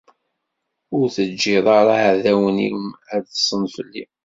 Ur teǧǧiḍ ara iɛdawen-iw ad ḍsen fell-i.